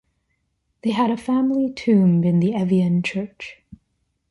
They had a family tomb in the Evian church.